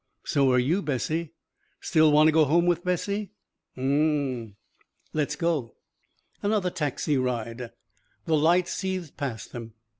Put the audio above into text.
"So are you, Bessie." "Still wanna go home with Bessie?" "Mmmm." "Let's go." Another taxi ride. The lights seethed past him.